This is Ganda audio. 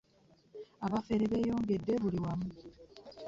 abafeere bbeyongedde buli wamu